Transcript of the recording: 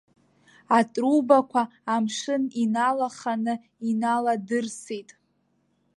Атрубақәа амшын иналаханы иналадырсит.